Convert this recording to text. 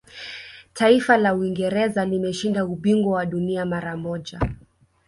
taifa la uingereza limeshinda ubingwa wa dunia mara moja